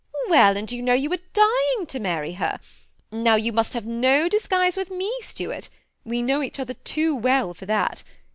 " Well, and you know you are dying to marry her. Now you must have no disguise with me, Stuart ; we know each other too well for that.